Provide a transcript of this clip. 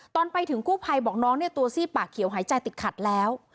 ตอนไปถึงกู้ภัยบอกน้องเนี่ยตัวซีดปากเขียวหายใจติดขัดแล้ว